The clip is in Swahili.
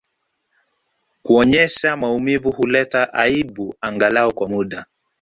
Kuonyesha maumivu huleta aibu angalau kwa muda